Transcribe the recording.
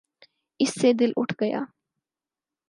اس سے دل اٹھ گیا۔